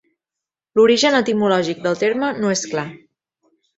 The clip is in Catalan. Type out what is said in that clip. L'origen etimològic del terme no és clar.